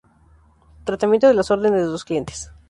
Tratamiento de las órdenes de los clientes.